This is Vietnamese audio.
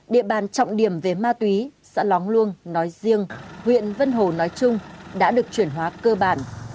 địa bàn trọng điểm về ma túy xã lóng luông nói riêng huyện vân hồ nói chung đã được chuyển hóa cơ bản